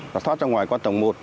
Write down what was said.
và thoát ra ngoài qua tầng một